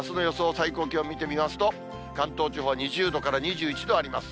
最高気温見てみますと、関東地方、２０度から２１度あります。